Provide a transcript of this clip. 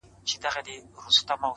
سرلوړى مي دئ د قام او د زامنو٫